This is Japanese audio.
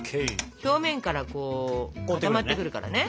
表面からこう固まってくるからね。